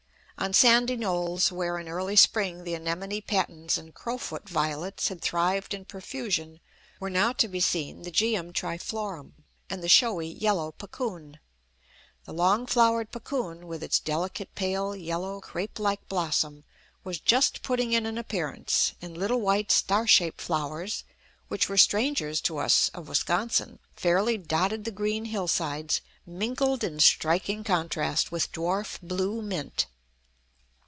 On sandy knolls, where in early spring the anemone patens and crowfoot violets had thrived in profusion, were now to be seen the geum triflorum and the showy yellow puccoon; the long flowered puccoon, with its delicate pale yellow, crape like blossom, was just putting in an appearance; and little white, star shaped flowers, which were strangers to us of Wisconsin, fairly dotted the green hillsides, mingled in striking contrast with dwarf blue mint.